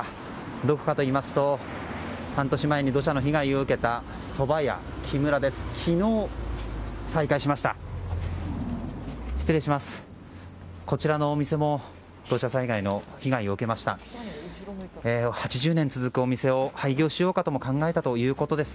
どこかといいますと半年前に土砂の被害を受けたそば屋、木むらです。